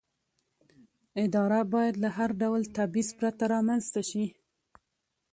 اداره باید له هر ډول تبعیض پرته رامنځته شي.